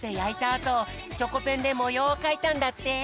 あとチョコペンでもようをかいたんだって。